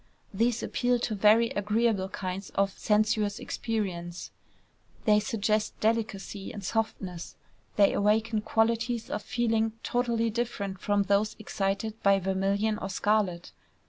These appeal to very agreeable kinds of sensuous experience: they suggest delicacy and softness; they awaken qualities of feeling totally different from those excited by vermilion or scarlet.